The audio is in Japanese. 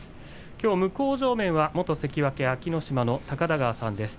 きょうは向正面は元関脇安芸乃島の高田川さんです。